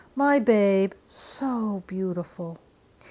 My babe so beautiful!